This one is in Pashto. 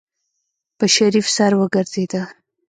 په شريف سر وګرځېده.